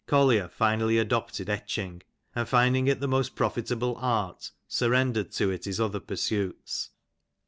Collier finally adopted etching, and finding it the most profitable art, surrendered to it his other pursuits.